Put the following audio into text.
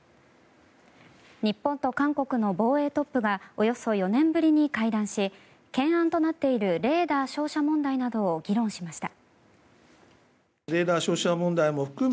日本と韓国の防衛トップがおよそ４年ぶりに会談し懸案となっているレーダー照射問題などを議論しました。